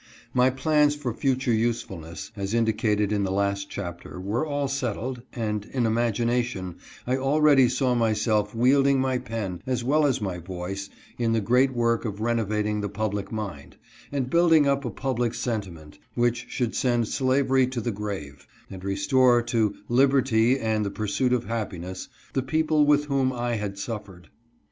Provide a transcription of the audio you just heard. My plans for future useful ness, as indicated in the last chapter, were all settled, and in imagination I already saw myself wielding my pen as well as my voice in the great work of renovating the public mind, and building up a public sentiment, which should send slavery to the grave, and restore to " liberty and the pursuit of happiness " the people with whom I had suffered.